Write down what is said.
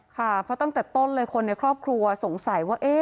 ค่ะเพราะตั้งแต่ต้นเลยคนในครอบครัวสงสัยว่า